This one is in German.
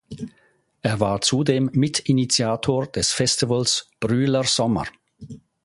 Er war zudem Mitinitiator des Festivals „Brühler Sommer“.